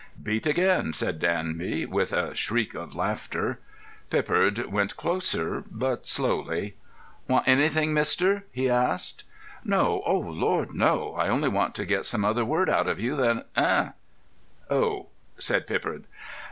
"Beat again!" said Danby, with a shriek of laughter. Pippard went closer, but slowly. "Want onythin', mister?" he asked. "No. Oh Lord, no! I only want to get some other word out of you than 'eh.'" "Oh," said Pippard.